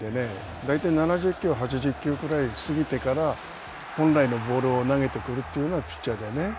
大体７０球８０球くらい過ぎてから本来のボールを投げてくるというようなピッチャーではね。